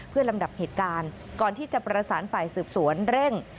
เพื่อลำดับเหตุการณ์ก่อนที่จะประสานฝ่ายสืบสวนเร่ง